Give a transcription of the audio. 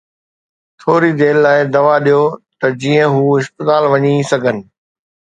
ٿوري دير لاءِ دوا ڏيو ته جيئن هو اسپتال وڃي سگهن.